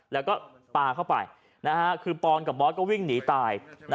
แล้วก็ปลาเข้าไปคือปอนกับบอสก็วิ่งหนีตาย